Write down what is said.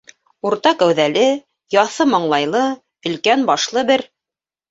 Урта кәүҙәле, яҫы маңлайлы, өлкән башлы бер